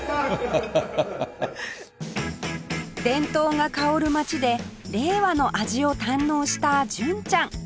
伝統が薫る町で令和の味を堪能した純ちゃん